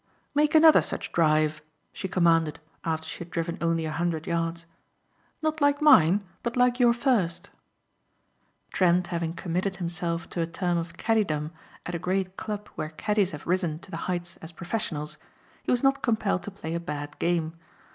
"Make another such drive," she commanded after she had driven only a hundred yards. "Not like mine, but like your first." Trent having committed himself to a term of caddiedom at a great club where caddies have risen to the heights as professionals, he was not compelled to play a bad game.